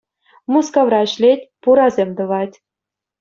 Мускавра ӗҫлет, пурасем тӑвать.